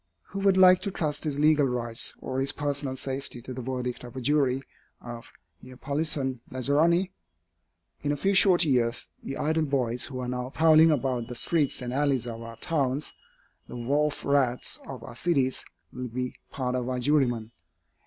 Who would like to trust his legal rights or his personal safety to the verdict of a jury of Neapolitan lazzaroni? In a few short years, the idle boys who are now prowling about the streets and alleys of our towns, the wharf rats of our cities, will be a part of our jurymen.